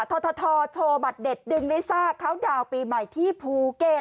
ททโชว์บัตรเด็ดดึงลิซ่าเขาดาวน์ปีใหม่ที่ภูเก็ต